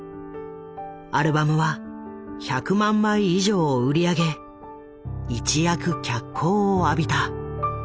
アルバムは１００万枚以上を売り上げ一躍脚光を浴びた。